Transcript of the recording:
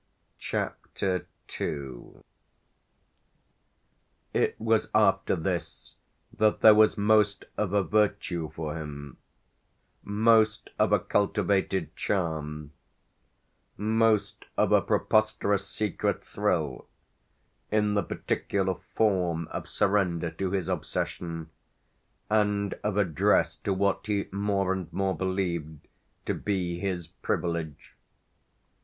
CHAPTER II It was after this that there was most of a virtue for him, most of a cultivated charm, most of a preposterous secret thrill, in the particular form of surrender to his obsession and of address to what he more and more believed to be his privilege.